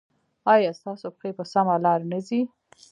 ایا ستاسو پښې په سمه لار نه ځي؟